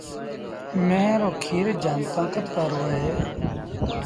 ميݩهن رو کير جآم تآݩڪت وآرو اهي۔